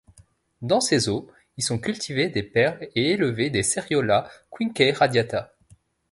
Dans ses eaux y sont cultivées des perles et élevés des seriola quinqueradiata.